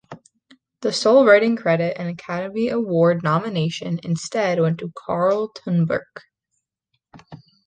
The sole writing credit and Academy Award nomination instead went to Karl Tunberg.